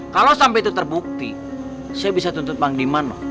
kalau sampai itu terbukti saya bisa tuntut bank dimana